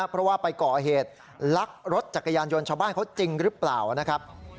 เพราะว่าไปก่อเหตุลักรถจักรยานยนต์ชาวบ้านเขาจริงหรือเปล่านะครับ